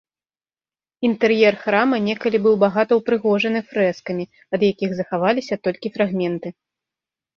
Інтэр'ер храма некалі быў багата ўпрыгожаны фрэскамі, ад якіх захаваліся толькі фрагменты.